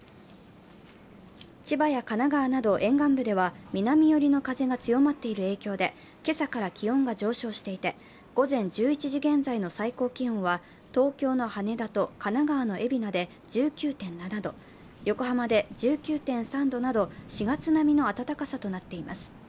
千葉や神奈川など沿岸部では南寄りの風が強まっている影響で今朝から気温が上昇していて、午前１１時現在の最高気温は東京の羽田と神奈川の海老名で１９．７度、横浜で１９．３度など４月並みの暖かさとなっています。